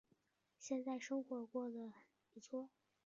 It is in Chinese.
现在生活是过得不错